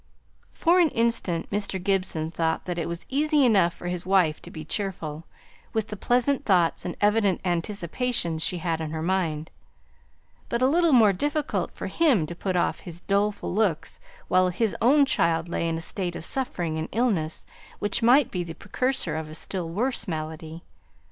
For an instant, Mr. Gibson thought that it was easy enough for his wife to be cheerful, with the pleasant thoughts and evident anticipations she had in her mind, but a little more difficult for him to put off his doleful looks while his own child lay in a state of suffering and illness which might be the precursor of a still worse malady.